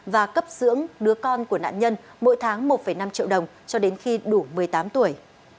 và cấp dưỡng đứa con của nạn nhân mỗi tháng một năm triệu đồng cho đến khi đủ một mươi tám tuổi